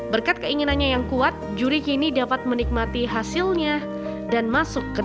berkat keinginannya yang kuat juri kini dapat menikmati hasilnya dan masuk ke dalam